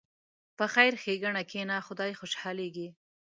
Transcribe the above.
په خیر ښېګڼه کښېنه، خدای خوشحالېږي.